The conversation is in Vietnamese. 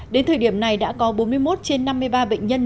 đến thời điểm này đã có bốn mươi một trên năm mươi ba bệnh nhân